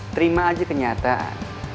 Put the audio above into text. terima aja kenyataan